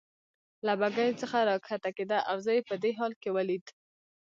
له بګۍ څخه راکښته کېده او زه یې په دې حال کې ولید.